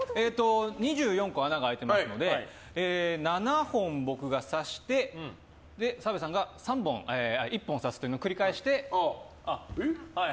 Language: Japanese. ２４個穴が開いてますので７本、僕が刺して澤部さんが１本刺すというのを繰り返して。